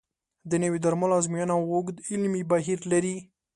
د نوي درملو ازموینه اوږد علمي بهیر لري.